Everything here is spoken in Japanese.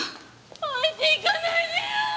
置いていかないでよ